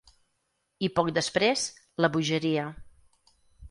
I poc després, la bogeria.